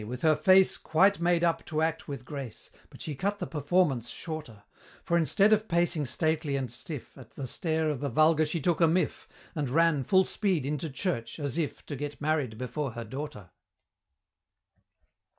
with her face Quite made up to act with grace, But she cut the performance shorter; For instead of pacing stately and stiff, At the stare of the vulgar she took a miff, And ran, full speed, into Church, as if To get married before her daughter.